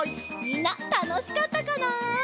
みんなたのしかったかな？